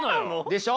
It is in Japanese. でしょ？